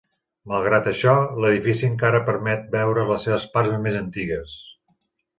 Malgrat això, l'edifici encara permet veure les seves parts més antigues.